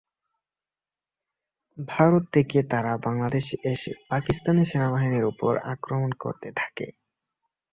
ভারত থেকে তারা বাংলাদেশে এসে পাকিস্তানি সেনাবাহিনীর ওপর আক্রমণ করতে থাকে।